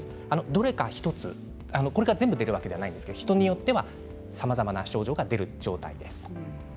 どれか１つ全部出るわけではなくて人によってはさまざまな症状が出る状態です。